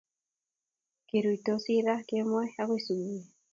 Kiruitosi raa kemo akoi subui